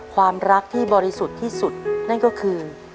ความรักที่บริสุทธิ์ที่สุดนั่นก็คือ